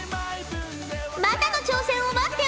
またの挑戦を待っておるぞ。